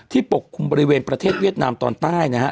ปกคลุมบริเวณประเทศเวียดนามตอนใต้นะฮะ